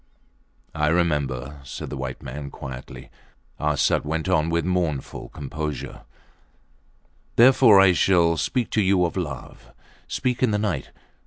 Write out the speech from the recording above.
I remember, said the white man, quietly. Arsat went on with mournful composure Therefore I shall speak to you of love. Speak in the night.